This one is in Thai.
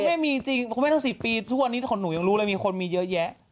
แม่มีจริงคุณแม่ทั้ง๔ปีทุกวันนี้คนหนูยังรู้เลยมีคนมีเยอะแยะ